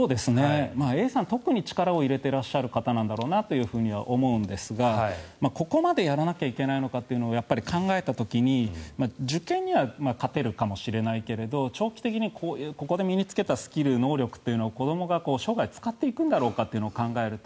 Ａさん、特に力を入れていらっしゃる方なんだろうなとは思うんですがここまでやらなきゃいけないのかと考えた時に受験には勝てるかもしれないけれど長期的にここで身に着けたスキル、能力というのは子どもが生涯使っていくんだろうかと考えると